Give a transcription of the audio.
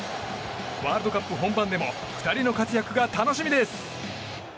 ワールドカップ本番でも２人の活躍が楽しみです。